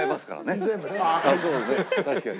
確かに。